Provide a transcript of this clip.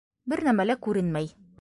Бер нәмә лә күренмәй.